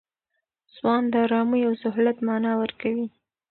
سوان د آرامۍ او سهولت مانا ورکوي.